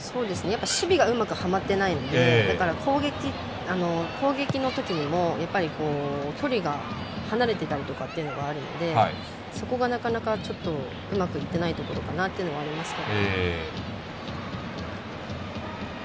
守備がうまくはまっていないので攻撃のときにも距離が離れていたりとかっていうのがあるのでそこがなかなかちょっとうまくいってないところかなというのがありますけどね。